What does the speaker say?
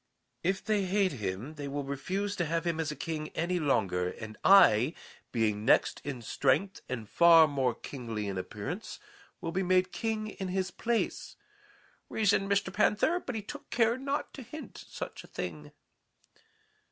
"'If they hate him, they will refuse to have him as king any longer, and I, being next in strength and far more kingly in appearance, will be made king in his place,' reasoned Mr. Panther, but he took care not to hint such a thing.